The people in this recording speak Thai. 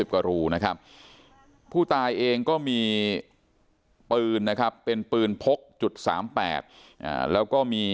กว่ารูนะครับผู้ตายเองก็มีปืนนะครับเป็นปืนพกจุด๓๘แล้วก็มี